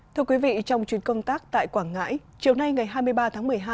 thưa quý vị trong chuyến công tác tại quảng ngãi chiều nay ngày hai mươi ba tháng một mươi hai